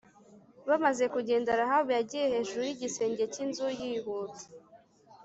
Bamaze kugenda Rahabu yagiye hejuru y igisenge cy inzu yihuta